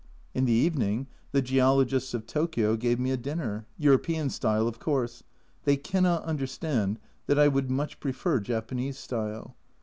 In the evening the Geologists of Tokio gave me a dinner European style, of course ; they cannot understand that I would much prefer Japanese style.